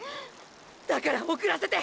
だから送らせて！！